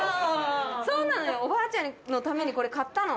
おばあちゃんのためにこれ買ったの。